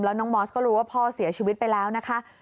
แล้วน้องมอสก็รู้ว่าพ่อเสียชีวิตไปแล้วนะคะ